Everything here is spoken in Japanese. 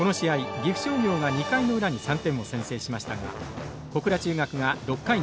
岐阜商業が２回の裏に３点を先制しましたが小倉中学が６回に逆転。